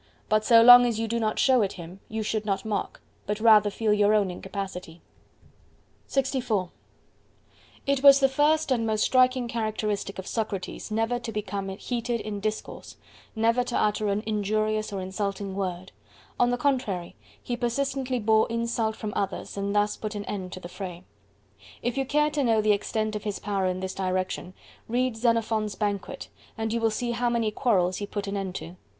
But so long as you do not show it him, you should not mock, but rather feel your own incapacity. LXIV It was the first and most striking characteristic of Socrates never to become heated in discourse, never to utter an injurious or insulting word—on the contrary, he persistently bore insult from others and thus put an end to the fray. If you care to know the extent of his power in this direction, read Xenophon's Banquet, and you will see how many quarrels he put an end to.